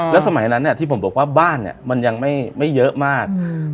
แล้วสมัยนั้นที่ผมบอกว่าบ้านเนี่ยมันยังไม่เยอะมาก